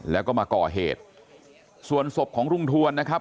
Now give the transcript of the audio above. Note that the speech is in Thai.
แล้วก็มาก่อเหตุส่วนศพของลุงทวนนะครับ